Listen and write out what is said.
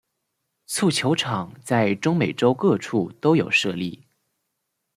蹴球场在中美洲各处都有设立。